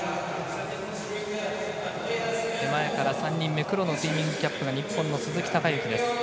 手前から３人目黒のスイミングキャップが日本の鈴木孝幸。